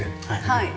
はい。